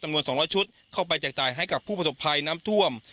๒๐๐ชุดเข้าไปแจกจ่ายให้กับผู้ประสบภัยน้ำท่วม